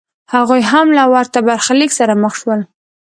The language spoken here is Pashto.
هغوی هم له ورته برخلیک سره مخ شول